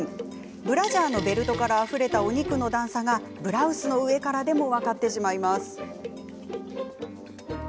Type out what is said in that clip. ブラジャーのベルトからあふれたお肉の段差がブラウスの上からでも分かってしまいます。